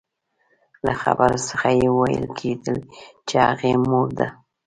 له خبرو څخه يې ويل کېدل چې هغې مور ده.